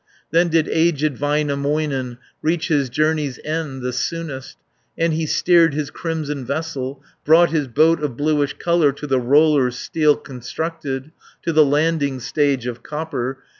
660 Then did aged Väinämöinen Reach his journey's end the soonest, And he steered his crimson vessel, Brought his boat of bluish colour To the rollers steel constructed, To the landing stage of copper.